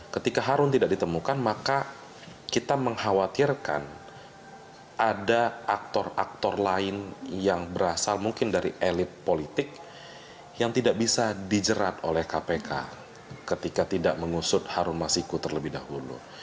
ketika harun tidak ditemukan maka kita mengkhawatirkan ada aktor aktor lain yang berasal mungkin dari elit politik yang tidak bisa dijerat oleh kpk ketika tidak mengusut harun masiku terlebih dahulu